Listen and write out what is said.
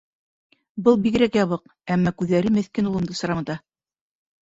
Был бигерәк ябыҡ, әммә күҙҙәре меҫкен улымды сырамыта.